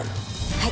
はい。